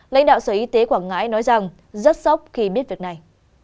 lãnh đạo sở y tế quảng ngãi nói rằng rất sốc khi biết việc này